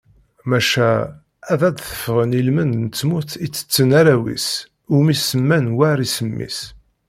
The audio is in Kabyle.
Maca ad d-tefɣen ilmend n tmurt i tetten arraw-is, umi semman war isem-is.